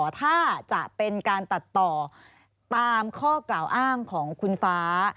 ถ้าจะเป็นการตัดต่อตามข้อกล่าวอ้างของคุณฟ้า